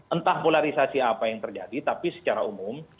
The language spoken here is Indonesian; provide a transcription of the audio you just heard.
entah polarisasi apa yang terjadi tapi secara umum